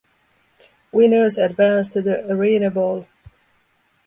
Winners advance to the ArenaBowl.